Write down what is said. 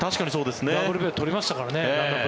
ダブルプレー取りましたからね。